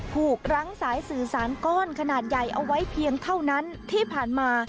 กรั้งสายสื่อสารก้อนขนาดใหญ่เอาไว้เพียงเท่านั้นที่ผ่านมา